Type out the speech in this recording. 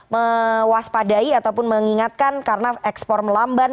mewaspadai ataupun mengingatkan karena ekspor melamban